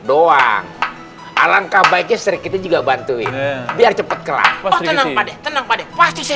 doang alangkah baiknya sedikit juga bantuin biar cepet kerah tenang tenang pasti saya